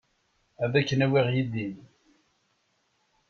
Ad ken-awiɣ yid-i.